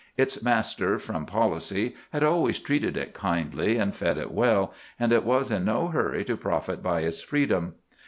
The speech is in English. Its master, from policy, had always treated it kindly, and fed it well, and it was in no hurry to profit by its freedom.